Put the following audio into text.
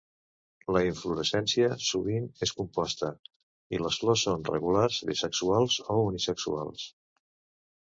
La inflorescència sovint és composta i les flors són regulars, bisexuals o unisexuals.